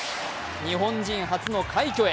日本人初の快挙へ。